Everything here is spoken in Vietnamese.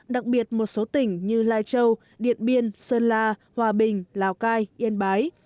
đặc biệt một số tỉnh như lai châu điện biên sơn la hòa bình lào cai yên bái